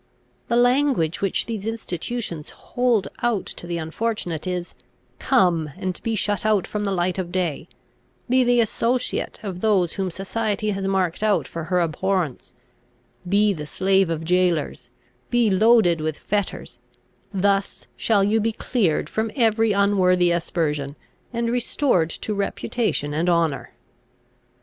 The language which these institutions hold out to the unfortunate is, 'Come, and be shut out from the light of day; be the associate of those whom society has marked out for her abhorrence, be the slave of jailers, be loaded with fetters; thus shall you be cleared from every unworthy aspersion, and restored to reputation and honour!'